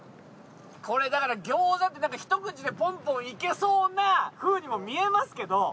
これだから餃子ってひと口でポンポンいけそうなふうにも見えますけど。